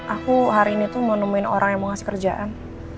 aku hari ini tuh menemuin orang yang mau ngasih kerjaan